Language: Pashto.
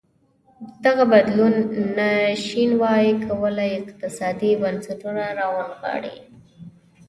دغه بدلون نه ش وای کولی اقتصادي بنسټونه راونغاړي.